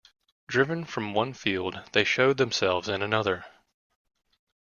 Driven from one field, they showed themselves in another.